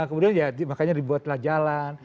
kemudian ya makanya dibuatlah jalan